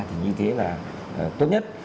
thì như thế là tốt nhất